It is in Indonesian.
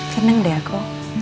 seneng deh aku